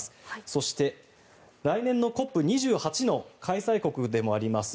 そして、来年のＣＯＰ２８の開催国でもあります